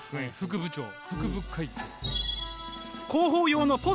副部長副部会長。